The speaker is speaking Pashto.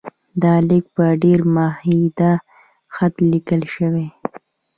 دا لیک په ډېر میده خط لیکل شوی.